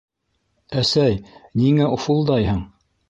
— Әсәй, ниңә уфылдайһың?